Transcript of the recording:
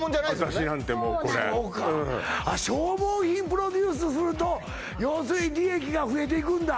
私なんてもうこれああ消耗品プロデュースすると要するに利益が増えていくんだ